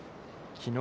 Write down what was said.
きのう